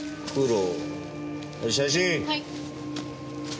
はい。